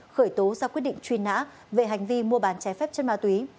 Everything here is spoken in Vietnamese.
khởi tố ra quyết định truy nã về hành vi mua bán trái phép chất ma túy